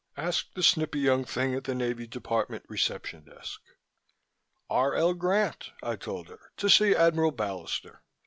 asked the snippy young thing at the Navy Department Reception Desk. "R. L. Grant," I told her. "To see Admiral Ballister.